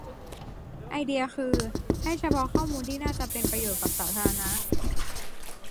ไอเดียคือให้เฉพาะข้อมูลที่น่าจะเป็นประโยชน์กับสาธารณะ